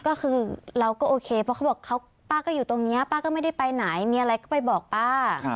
ก็คือเราก็โอเคเพราะเขาบอกป้าก็อยู่ตรงนี้ป้าก็ไม่ได้ไปไหนมีอะไรก็ไปบอกป้า